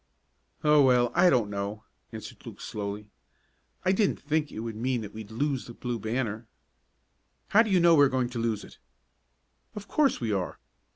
"Oh, well, I don't know," answered Luke slowly. "I didn't think it would mean that we'd lose the Blue Banner." "How do you know we are going to lose it?" "Of course we are.